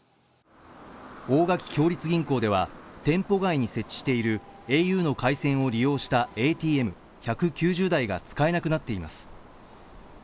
大垣共立銀行では、店舗外に設置しているａｕの回線を利用したＡＴＭ１９台が使えなくなっています。